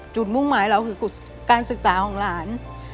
มุ่งหมายเราคือการศึกษาของหลาน